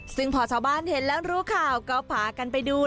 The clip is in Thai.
ซึ่งพอชาวบ้านเห็นแล้วรู้ข่าวก็พากันไปดู